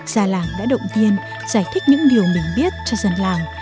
già làng đã động viên giải thích những điều mình biết cho dân làng